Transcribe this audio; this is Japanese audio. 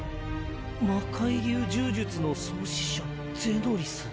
魔械流重術の創始者ゼノリス。